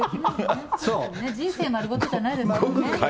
人生丸ごとじゃないですもんね。